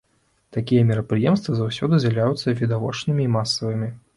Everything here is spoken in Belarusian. Такія мерапрыемствы заўсёды з'яўляюцца відовішчнымі і масавымі.